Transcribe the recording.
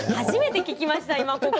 初めて聞きました。